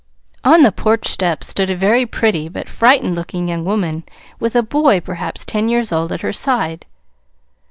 On the porch steps stood a very pretty, but frightened looking young woman with a boy perhaps ten years old at her side.